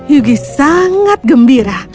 yugi sangat gembira